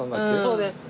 そうです。